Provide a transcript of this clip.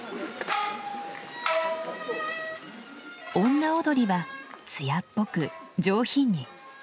女踊りは艶っぽく上品に。